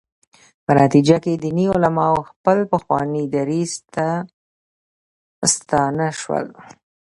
په نتیجه کې دیني علما خپل پخواني دریځ ته ستانه شول.